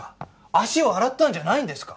足を洗ったんじゃないんですか！